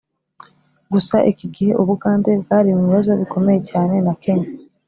gusa iki gihe ubugande bwari mu bibazo bikomeye cyane na kenya